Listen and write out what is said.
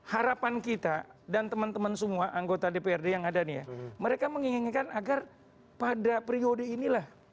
harapan kita dan teman teman semua anggota dprd yang ada nih ya mereka menginginkan agar pada priode inilah